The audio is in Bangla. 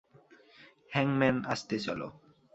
হ্যাংম্যান, আস্তে চলো।